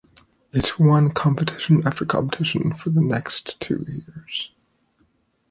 It won competition after competition for the next two years.